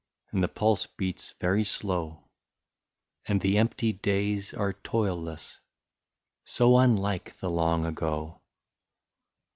And the pulse beats very slow. And the empty days are toilless, — So unlike the long ago